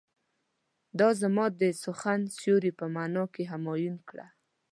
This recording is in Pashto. دا زما د سخن سيوری په معنی کې همایون کړه.